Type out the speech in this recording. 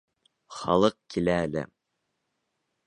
Халыҡ килә әле.